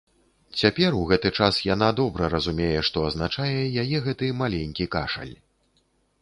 Цяпер, у гэты час, яна добра разумее, што азначае яе гэты маленькі кашаль.